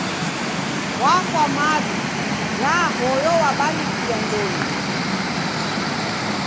Wafwa madu da hoyo wabarikia ndonyi.